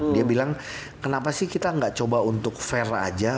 dia bilang kenapa sih kita nggak coba untuk fair aja